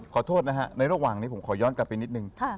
ขอโทษนะฮะในระหว่างนี้ผมขอย้อนกลับไปนิดนึง